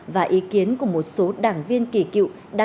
và ý kiến của một số đảng viên kỳ cựu đàn dân